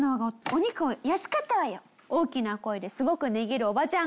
大きな声ですごく値切るおばちゃんがいました。